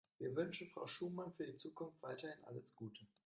Wir wünschen Frau Schumann für die Zukunft weiterhin alles Gute.